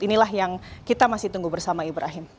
inilah yang kita masih tunggu bersama ibrahim